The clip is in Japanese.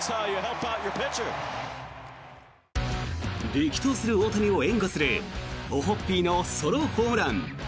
力投する大谷を援護するオホッピーのソロホームラン。